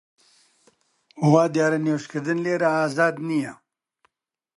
وا دیارە نوێژ کردن لێرە ئازاد نییە